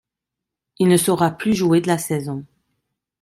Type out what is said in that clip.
Il ne saura plus jouer de la saison.